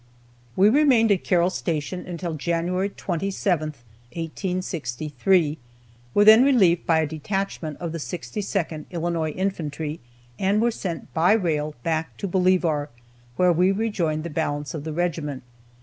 We remained at Carroll Station until January 27, 1863, were then relieved by a detachment of the 62nd Illinois Infantry, and were sent by rail back to Bolivar, where we rejoined the balance of the regiment.